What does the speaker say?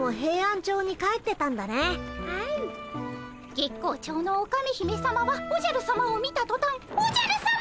月光町のオカメ姫さまはおじゃるさまを見たとたん「おじゃるさま！